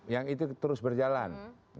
yang itu terus berjalan